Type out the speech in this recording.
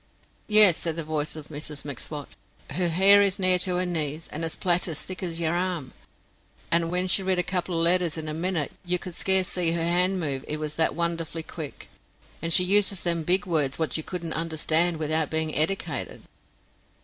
"Yes," said the voice of Mrs M'Swat, "her hair is near to her knees, and a plait as thick as yer arm; and wen she writ a couple of letters in a minute, you could scarce see her hand move it was that wonderful quick; and she uses them big words wot you couldn't understand without bein' eddicated."